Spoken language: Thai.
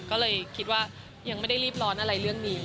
ก็เลยคิดว่ายังไม่ได้รีบร้อนอะไรเรื่องนี้